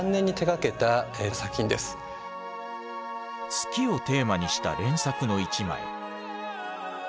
月をテーマにした連作の一枚。